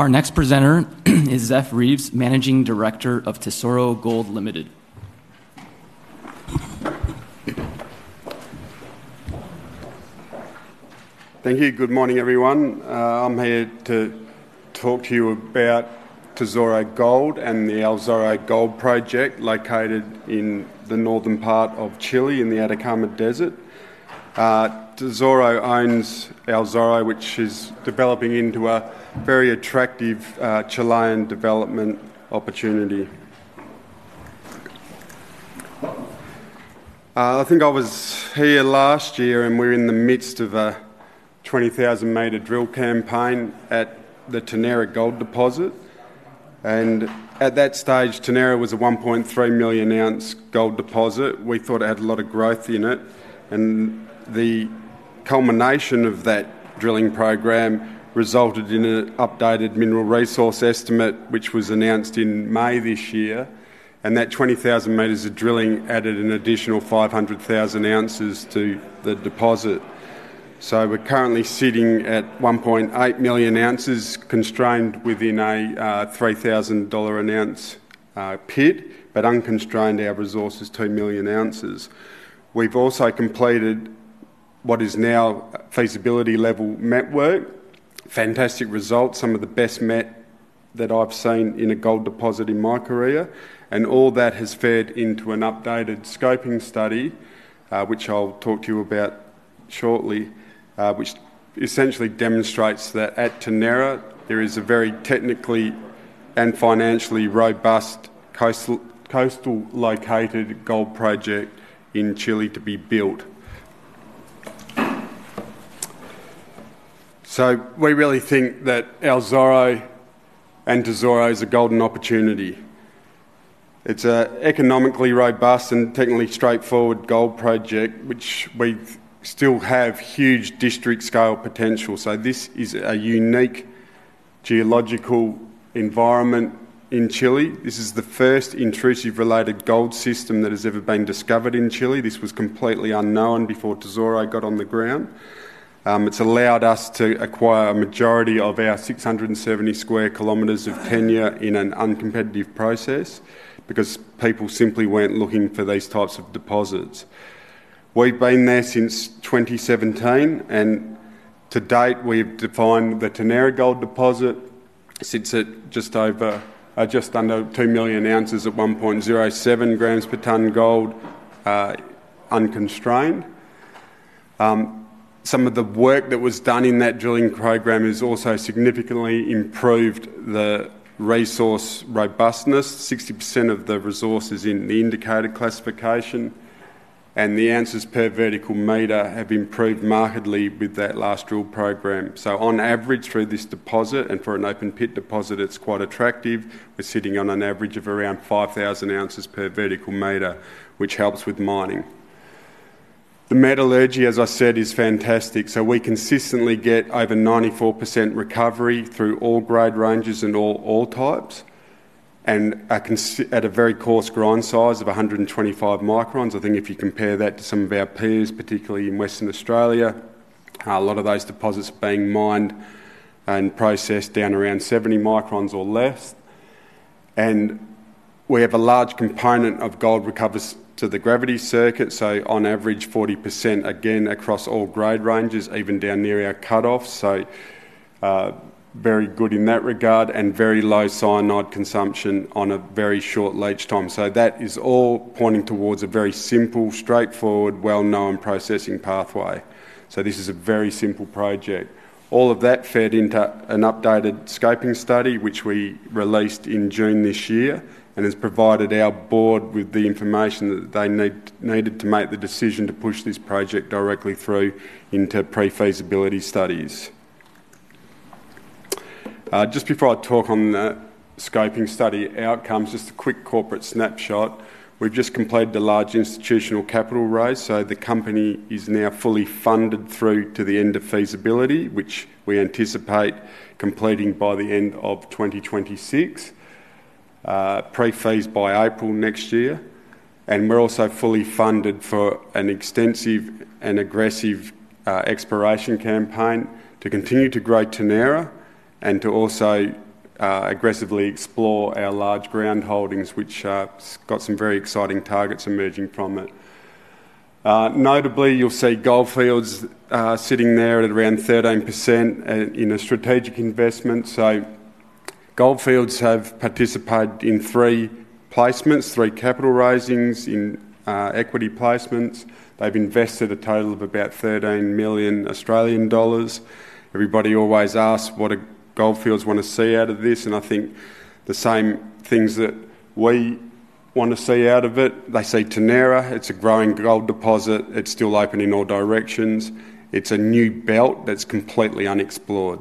Our next presenter is Zeff Reeves, Managing Director of Tesoro Gold Ltd. Thank you. Good morning, everyone. I'm here to talk to you about Tesoro Gold and the El Zorro Gold Project. Located in the northern part of Chile in the Atacama Desert, Tesoro owns El Zorro, which is developing into a very attractive Chilean development opportunity. I think I was here last year and we're in the midst of a 20,000 meter drill campaign at the Tenera gold deposit. At that stage, Tenera was a 1.3 million ounce gold deposit. We thought it had a lot of growth in it. The culmination of that drilling program resulted in an updated mineral resource estimate which was announced in May this year. That 20,000 meters of drilling added an additional 500,000 ounces to the deposit. We're currently sitting at 1.8 million ounces, constrained within a $3,000 an ounce pit, but unconstrained our resource is 2 million ounces. We've also completed what is now feasibility level met work. Fantastic results. Some of the best met that I've seen in a gold deposit in my career. All that has fared into an updated scoping study, which I'll talk to you about shortly, which essentially demonstrates that at Tenera there is a very technically, financially robust, coastal located gold project in Chile to be built. We really `that our Zorro and Tesoro is a golden opportunity. It's an economically robust and technically straightforward gold project, which we still have huge district scale potential. This is a unique geological environment in Chile. This is the first intrusive related gold system that has ever been discovered in Chile. This was completely unknown before Tesoro got on the ground. It's allowed us to acquire a majority of our 670 sq km of tenure in an uncompetitive process because people simply weren't looking for these types of deposits. We've been there since 2017 and to date we've defined the Tenera gold deposit sits at just over just under 2 million ounces at 1.07 grams per tonne gold unconstrained. Some of the work that was done in that drilling program has also significantly improved the resource robustness. 60% of the resources is in the indicated classification and the ounces per vertical metre have improved markedly with that last drill program. On average through this deposit and for an open pit deposit, it's quite attractive. We're sitting on an average of around 5,000 ounces per vertical metre, which helps with mining. The metallurgy as I said is fantastic. We consistently get over 94% recovery through all grade ranges and all types of and at a very coarse grind size of 125 microns. I think if you compare that to some of our peers, particularly in Western Australia, a lot of those deposits are being mined and processed down around 70 microns or less. We have a large component of gold that recovers to the gravity circuit. On average, 40% again across all grade ranges, even down near our cutoffs. Very good in that regard and very low cyanide consumption on a very short leach time. That is all pointing towards a very simple, straightforward, well-known processing pathway. This is a very simple project. All of that fed into an updated scoping study which we released in June this year and has provided our board with the information that they needed to make the decision to push this project directly through into pre-feasibility studies. Just before I talk on the scoping study outcomes, just a quick corporate snapshot. We've just completed the large institutional capital raise so the company is now fully funded through to the end of feasibility which we anticipate completing by the end of 2026, pre-feas by April next year. We're also fully funded for an extensive and aggressive exploration campaign to continue to grow Tenera and to also aggressively explore our large ground holdings which have got some very exciting targets emerging from it. Notably, you'll see Gold Fields sitting there at around 13% in a strategic investment. Gold Fields have participated in three placements, three capital raisings in equity placements. They've invested a total of about 13 million Australian dollars. Everybody always asks what do Gold Fields want to see out of this? I think the same things that we want to see out of it. They see Tenera. It's a growing gold deposit. It's still open in all directions. It's a new belt that's completely unexplored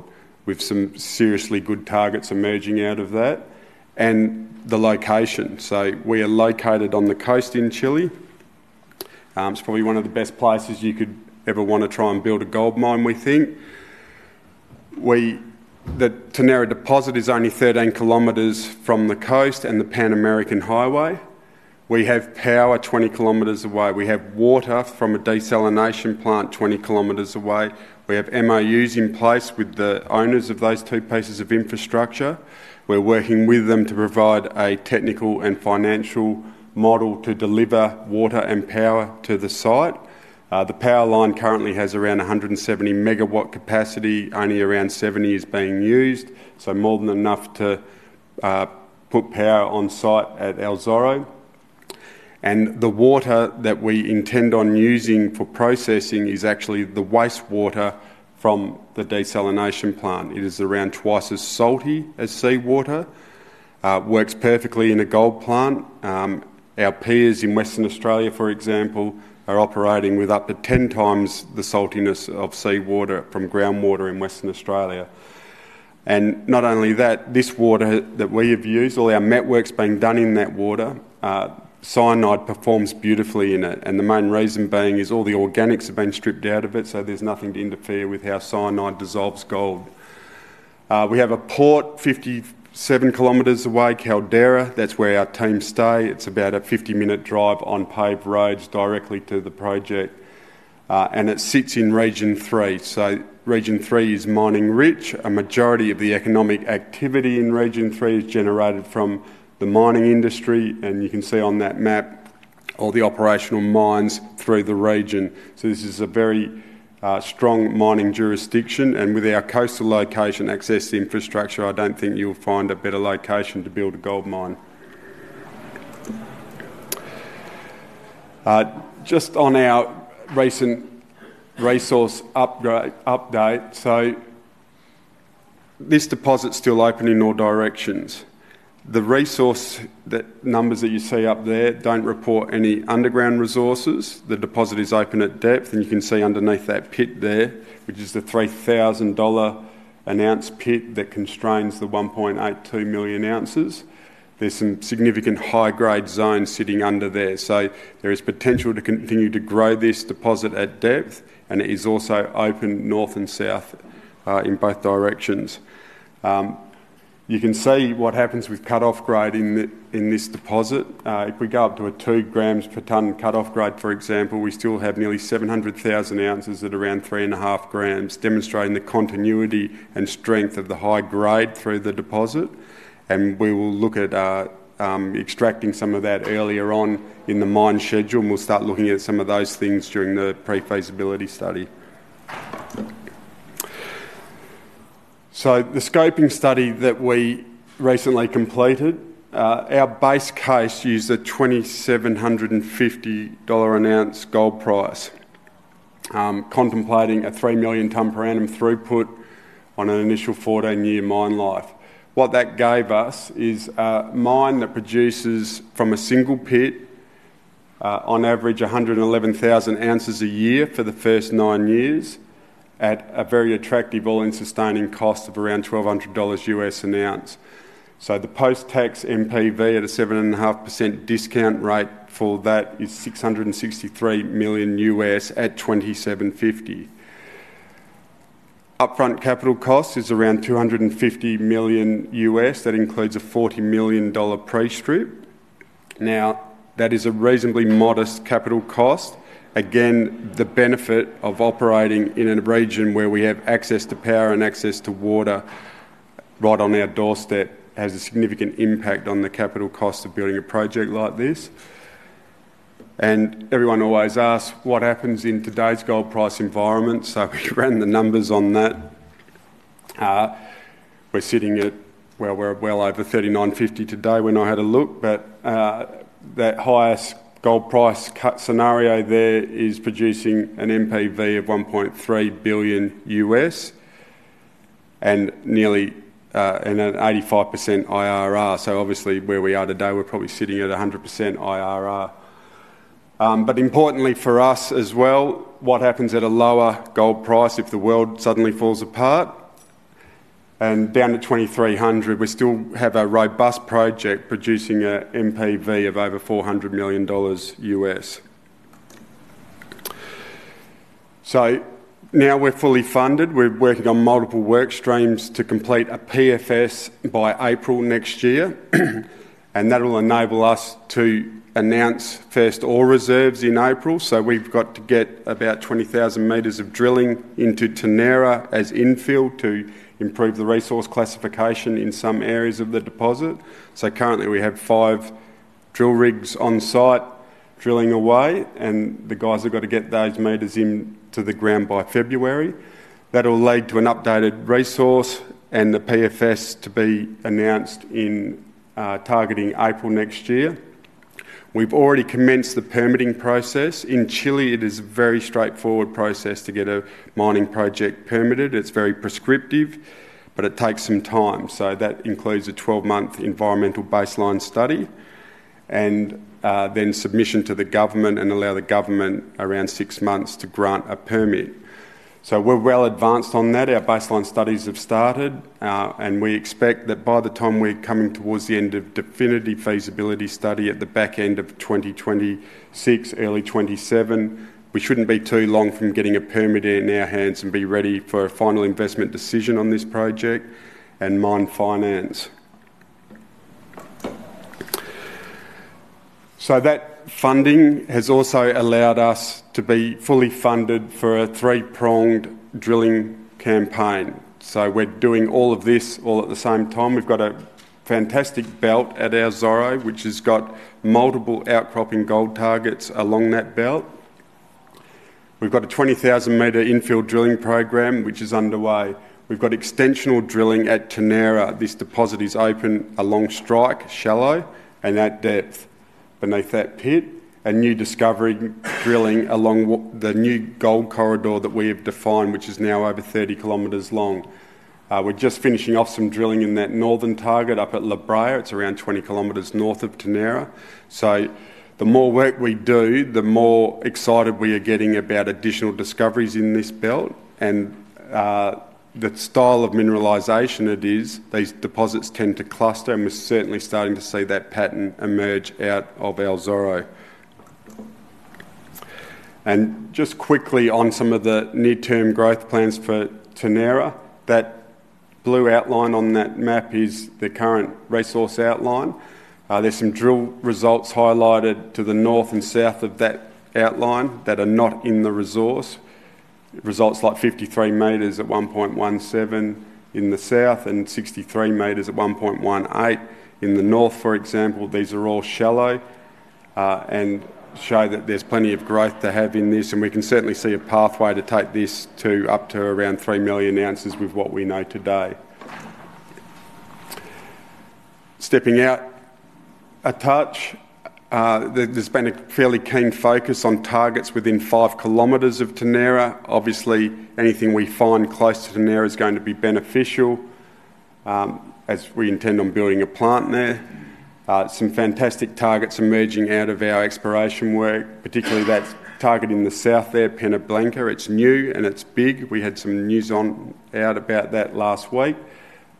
with some seriously good targets emerging out of that and the location. We are located on the coast in Chile. It's probably one of the best places you could ever want to try and build a gold mine. We think the Tenera deposit is only 13 km from the coast and the Pan-American Highway. We have power 20 km away. We have water from a desalination plant 20 km away. We have MOUs in place with the owners of those two pieces of infrastructure. We're working with them to provide a technical and financial model to deliver water and power to the site. The power line currently has around 170 megawatt capacity. Only around 70 is being used. More than enough to put power on site at El Zorro. The water that we intend on using for processing is actually the wastewater from the desalination plant. It is around twice as salty as seawater. Works perfectly in a gold plant. Our peers in Western Australia, for example, are operating with up to 10 times the saltiness of seawater from groundwater in Western Australia. Not only that, this water that we have used, all our met works being done in that water, cyanide performs beautifully in it. The main reason being is all the organics have been stripped out of it. There is nothing to interfere with how cyanide dissolves gold. We have a port 57 km away, Caldera, that is where our team stay. It is about a 50 minute drive on paved roads directly to the project. It sits in Region 3. Region 3 is mining rich. A majority of the economic activity in Region 3 is generated from the mining industry. You can see on that map all the operational mines through the region. This is a very strong mining jurisdiction. With our coastal location and access to infrastructure, I do not think you will find a better location to build a gold mine. Just on our recent resource update, this deposit is still open in all directions. The resource numbers that you see up there do not report any underground resources. The deposit is open at depth and you can see underneath that pit there, which is the $3,000 an ounce pit that constrains the 1.82 million ounces. There are some significant high grade zones sitting under there. There is potential to continue to grow this deposit at depth. It is also open north and south in both directions. You can see what happens with cut off grade in this deposit. If we go up to a 2 grams per tonne cutoff grade, for example, we still have nearly 700,000 ounces at around 3.5 grams, demonstrating the continuity and strength of the high grade through the deposit. We will look at extracting some of that earlier on in the mine schedule. We will start looking at some of those things during the pre-feasibility study. The scoping study that we recently completed, our base case used a $2,750 an ounce gold price, contemplating a 3 million tonne per annum throughput on an initial 14 year mine life. What that gave us is a mine that produces from a single pit on average 111,000 ounces a year for the first nine years at a very attractive all-in sustaining cost of around $1,200 US an ounce. The post-tax NPV at a 7.5% discount rate for that is $663 million US. At $2,750 upfront capital cost is around $250 million US. That includes a $40 million pre-strip. That is a reasonably modest capital cost. Again, the benefit of operating in a region where we have access to power and access to water right on our doorstep has a significant impact on the capital cost of building a project like this. Everyone always asks what happens in today's gold price environment? We ran the numbers on that. We are well over $3,950 today when I had a look. That highest gold price cut scenario there is producing an NPV of $1.3 billion US and nearly an 85% IRR. Obviously where we are today, we are probably sitting at 100% IRR. Importantly for us as well, what happens at a lower gold price? If the world suddenly falls apart and down to $2,300, we still have a robust project producing an NPV of over $400 million US. Now we are fully funded. We are working on multiple work streams to complete a PFS by April next year and that will enable us to announce first ore reserves in April. We've got to get about 20,000 metres of drilling into Tenera as infill to improve the resource classification in some areas of the deposit. Currently we have five drill rigs on site, drilling away and the guys have got to get those metres into the ground by February. That will lead to an updated resource and the PFS to be announced in targeting April next year. We've already commenced the permitting process in Chile. It is a very straightforward process to get a mining project permitted. It's very prescriptive, but it takes some time. That includes a 12 month environmental baseline study and then submission to the government and allow the government around six months to grant a permit. We're well advanced on that. Our baseline studies have started and we expect that by the time we're coming towards the end of definitive feasibility study at the back end of 2026, early 2027, we shouldn't be too long from getting a permit in our hands and be ready for a final investment decision on this project and mine finance. That funding has also allowed us to be fully funded for a three-pronged drilling campaign. We're doing all of this all at the same time. We've got a fantastic belt at our Zorro which has got multiple outcropping gold targets along that belt. We've got a 20,000 meter infill drilling program which is underway. We've got extensional drilling at Tenera. This deposit is open along strike, shallow and at depth beneath that pit. New discovery drilling along the new gold corridor that we have defined, which is now over 30 km long. We're just finishing off some drilling in that northern target up at La Brea. It is around 20 km north of Tenera. The more work we do, the more excited we are getting about additional discoveries in this belt and the style of mineralization it is. These deposits tend to cluster and we are certainly starting to see that pattern emerge out of El Zorro. Just quickly on some of the near-term growth plans for Tenera. That blue outline on that map is the current resource outline. There are some drill results highlighted to the north and south of that outline that are not in the resource results, like 53 m at 1.17 in the south and 63 m at 1.18 in the north, for example. These are all shallow and show that there's plenty of growth to have in this. We can certainly see a pathway to take this to up to around 3 million ounces. With what we know today, stepping out a touch, there's been a fairly keen focus on targets within 5 km of Tenera. Obviously anything we find close to Tenera is going to be beneficial as we intend on building a plant there. Some fantastic targets emerging out of our exploration work, particularly that target in the south there, Pena Blanca. It's new and it's big. We had some news out about that last week,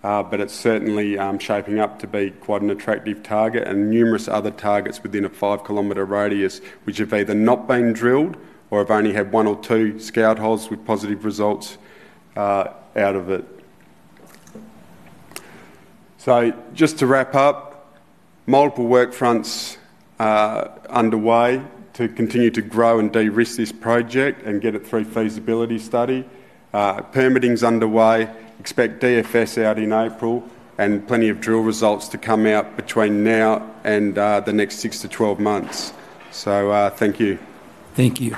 but it's certainly shaping up to be quite an attractive target. Numerous other targets within a 5 km radius which have either not been drilled or have only had one or two scout holes with positive results out of it. Just to wrap up, multiple work fronts underway to continue to grow and de-risk this project and get it through. Feasibility study permitting is underway. Expect DFS out in April and plenty of drill results to come out between now and the next six to twelve months. Thank you. Thank you.